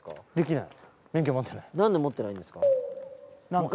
なんで持ってないんですか？